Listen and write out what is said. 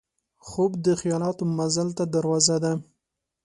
خوب د خیالاتو مزل ته دروازه ده